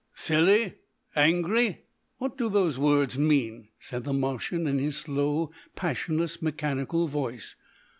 "Silly? Angry? What do those words mean?" said the Martian in his slow, passionless, mechanical voice.